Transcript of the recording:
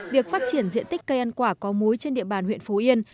việc phát triển diện tích cây ăn quả có múi trên địa bàn huyện phú yên